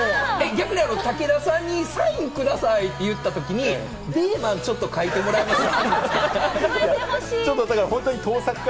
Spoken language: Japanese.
武田さんにサインくださいって言ったときにベーマン、ちょっと描いてもらえますか？